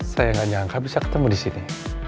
saya gak nyangka bisa ketemu disini